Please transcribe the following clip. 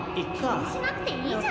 ・気にしなくていいじゃん。